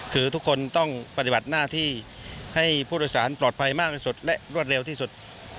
คือทุกคนต้องปฏิบัติหน้าที่ให้ผู้โดยสารปลอดภัยมากที่สุดและรวดเร็วที่สุด